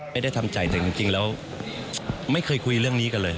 ไม่ได้ทำใจแต่จริงแล้วไม่เคยคุยเรื่องนี้กันเลย